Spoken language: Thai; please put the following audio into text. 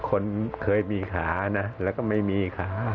คนเคยมีขานะแล้วก็ไม่มีขา